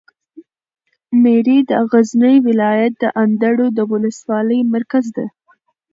میری د غزني ولایت د اندړو د ولسوالي مرکز ده.